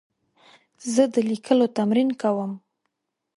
زه د لیکلو تمرین کوم.